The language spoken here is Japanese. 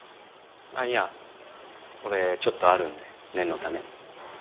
あいや俺ちょっとあるんで念のために。